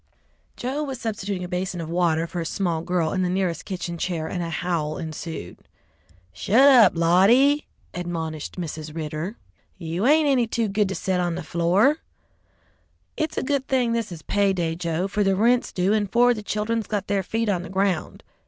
Joe was substituting a basin of water for a small girl in the nearest kitchen chair, and a howl ensued. "Shut up, Lottie!" admonished Mrs. Ridder, "you ain't any too good to set on the floor. It's a good thing this is pay day, Joe, for the rent's due and four of the children's got their feet on the ground.